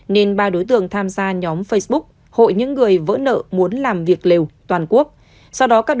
nên ba đối tượng tham gia nhóm facebook hội những người vỡ nợ muốn làm việc lều toàn quốc